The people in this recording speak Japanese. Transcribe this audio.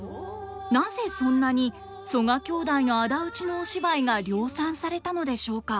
なぜそんなに曽我兄弟の仇討ちのお芝居が量産されたのでしょうか？